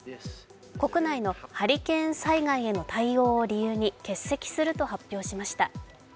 国内のハリケーン災害への対応を理由に欠席すると発表しました。